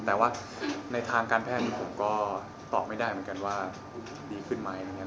แต่ว่าในทางการแพทย์นี้ผมก็ตอบไม่ได้เหมือนกันว่าดีขึ้นไหมนะครับ